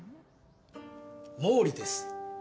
毛利です。